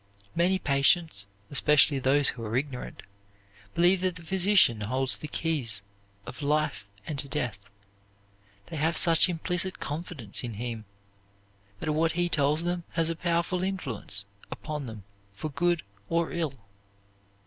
Many patients, especially those who are ignorant, believe that the physician holds the keys of life and death. They have such implicit confidence in him that what he tells them has powerful influence upon them for good or ill.